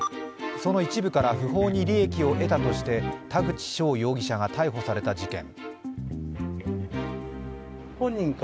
その一部から不法に利益を得たとして田口翔容疑者が逮捕された事件。